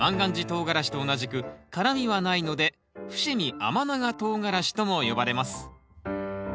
とうがらしと同じく辛みはないので伏見甘長とうがらしとも呼ばれます。